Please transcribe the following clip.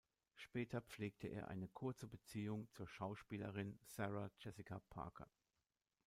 Später pflegte er eine kurze Beziehung zur Schauspielerin Sarah Jessica Parker.